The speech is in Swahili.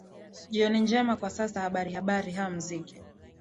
jioni njema kwa sasa habari habari ha muziki